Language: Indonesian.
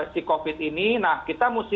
si covid ini nah kita mesti